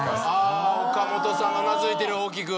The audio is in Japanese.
岡本さんうなずいてる大きく。